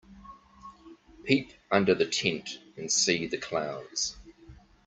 Peep under the tent and see the clowns.